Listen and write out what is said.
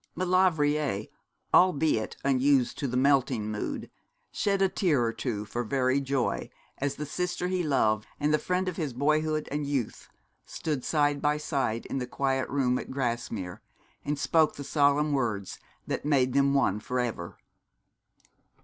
Maulevrier, albeit unused to the melting mood, shed a tear or two for very joy as the sister he loved and the friend of his boyhood and youth stood side by side in the quiet room at Grasmere, and spoke the solemn words that made them one for ever.